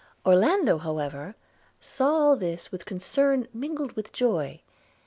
Orlando, however, saw all this with concern mingled with joy.